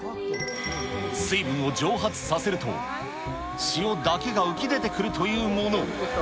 水分を蒸発させると、塩だけが浮き出てくるというもの。